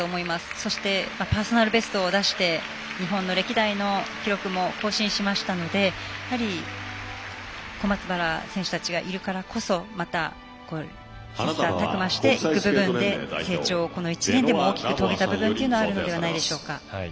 そしてパーソナルベストを出して日本の歴代の記録も更新しましたのでやはり小松原選手たちがいるからこそまた切さたく磨していく部分で成長をこの１年で大きく遂げた部分もあるのではないでしょうか。